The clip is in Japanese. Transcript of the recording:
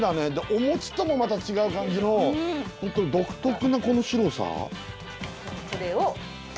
お餅ともまた違う感じの独特なこの白さ。